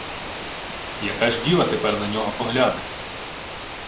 Яка ж діва тепер на нього погляне?